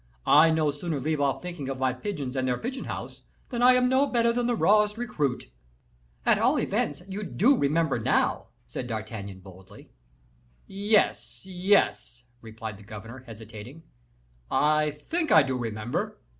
I no sooner leave off thinking of my pigeons and their pigeon house, than I am no better than the rawest recruit." "At all events, you remember it now," said D'Artagnan, boldly. "Yes, yes," replied the governor, hesitating; "I think I do remember."